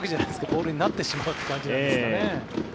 ボールになってしまうという感じなんですかね。